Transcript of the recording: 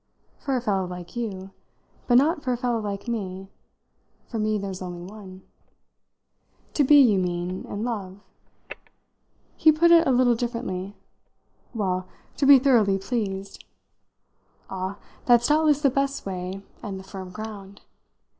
"For a fellow like you. But not for a fellow like me. For me there's only one." "To be, you mean, in love?" He put it a little differently. "Well, to be thoroughly pleased." "Ah, that's doubtless the best way and the firm ground.